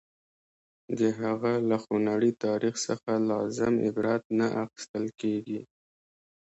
د هغه له خونړي تاریخ څخه لازم عبرت نه اخیستل کېږي.